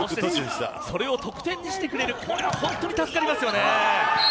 それを得点にしてくれる本当に助かりますね。